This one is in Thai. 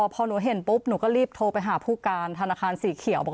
พอหนูเห็นปุ๊บหนูก็รีบโทรไปหาผู้การธนาคารสีเขียว